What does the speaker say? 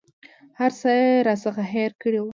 هر څه یې راڅخه هېر کړي وه.